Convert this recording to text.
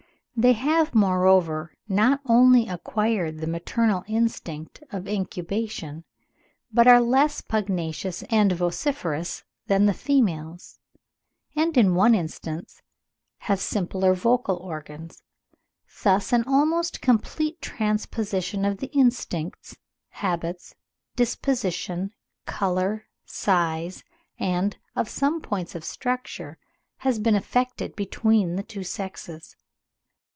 They have, moreover, not only acquired the maternal instinct of incubation, but are less pugnacious and vociferous than the females, and in one instance have simpler vocal organs. Thus an almost complete transposition of the instincts, habits, disposition, colour, size, and of some points of structure, has been effected between the two sexes.